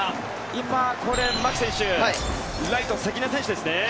今、牧選手ライトは関根選手ですね。